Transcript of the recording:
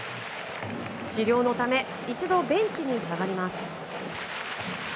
治療のため一度ベンチに下がります。